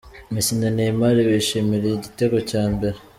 Messi na Neymar bishimira igitego cya mbere